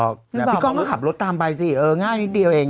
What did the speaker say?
พี่ก้องก็ขับรถตามไปสิเออง่ายนิดเดียวเอง